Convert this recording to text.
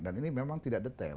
dan ini memang tidak detail